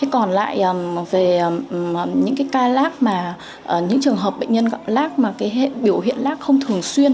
còn lại về những trường hợp bệnh nhân lắc mà biểu hiện lắc không thường xuyên